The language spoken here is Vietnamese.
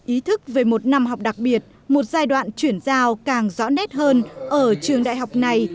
ý thức về một năm học đặc biệt một giai đoạn chuyển giao càng rõ nét hơn ở trường đại học này